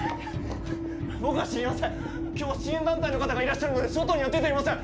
僕は知りません今日は支援団体の方がいらっしゃるので外には出ていません。